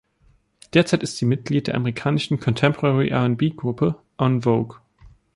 Derzeit ist sie Mitglied der amerikanischen Contemporary-R‘n‘B-Gruppe En Vogue.